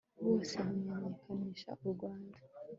bose bamenyekanisha u rwanda